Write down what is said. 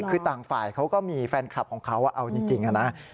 คือต่างฝ่ายเขาก็มีแฟนคลับของเขาเอาจริงนะ